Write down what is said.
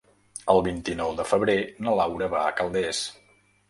El vint-i-nou de febrer na Laura va a Calders.